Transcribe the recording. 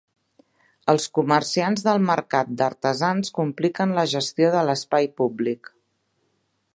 Els comerciants del mercat d'artesans compliquen la gestió de l'espai públic.